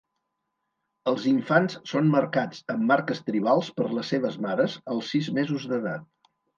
Els infants són marcats amb marques tribals per les seves mares als sis mesos d'edat.